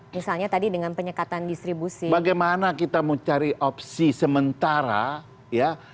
misalnya tadi dengan penyekatan distribusi bagaimana kita mencari opsi sementara ya